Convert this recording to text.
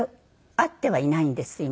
会ってはいないんです今。